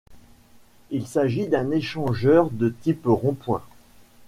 Il s'agit d'un échangeur de type rond-point.